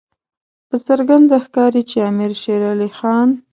په څرګنده ښکاري چې امیر شېر علي خان.